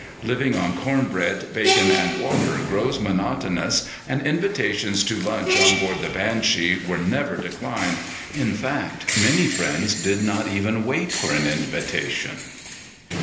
Living on corn bread, bacon, and water grows monotonous, and invitations to lunch on board the Banshee were never declined in fact, many friends did not even wait for an invitation.